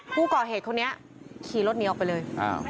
ผู้ก่อเหตุคนนี้ขี่รถหนีออกไปเลย